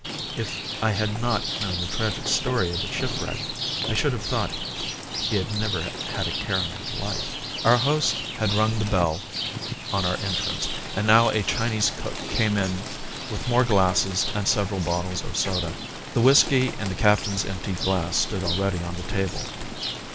If I had not known the tragic story of the shipwreck I should have thought he had never had a care in his life. Our host had rung the bell on our entrance and now a Chinese cook came in with more glasses and several bottles of soda. The whisky and the captain's empty glass stood already on the table.